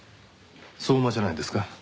相馬じゃないですか？